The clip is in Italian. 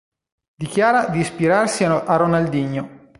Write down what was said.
Dichiara di ispirarsi a Ronaldinho.